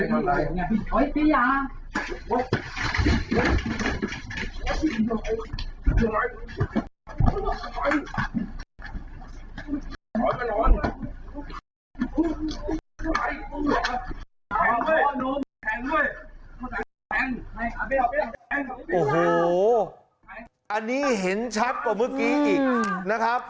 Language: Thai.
โอ้โหอันนี้เห็นชัดกว่าเมื่อกี้อีกนะครับ